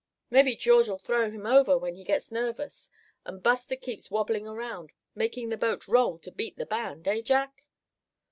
"Mebbe George'll throw him over, when he gets nervous, and Buster keeps wobbling around, making the boat roll to beat the band, eh, Jack?"